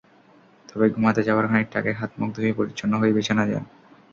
তবে, ঘুমাতে যাওয়ার খানিকটা আগে হাত-মুখ ধুয়ে পরিচ্ছন্ন হয়ে বিছানায় যান।